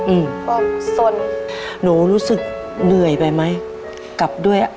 อืมก็สนหนูรู้สึกเหนื่อยไปไหมกลับด้วยอ่ะ